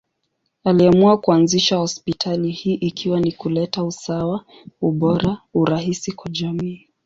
Aliamua kuanzisha hospitali hii ikiwa ni kuleta usawa, ubora, urahisi kwa jamii.